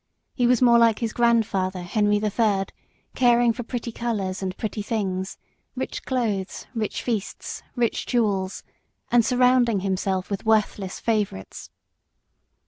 He was more like his grandfather Henry the Third, caring for pretty colours and pretty things, rich clothes, rich feasts, rich jewels, and surrounding himself with worthless favourites.